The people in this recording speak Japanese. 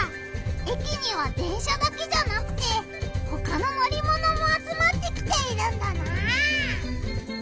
駅には電車だけじゃなくてほかの乗りものも集まってきているんだな！